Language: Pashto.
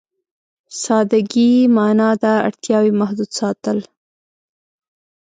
سادهګي معنا ده اړتياوې محدود ساتل.